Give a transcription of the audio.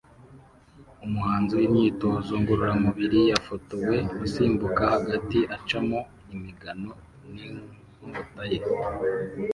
Umuhanzi wimyitozo ngororamubiri yafotowe asimbuka hagati acamo imigano n'inkota ye